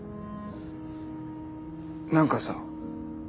何かさ。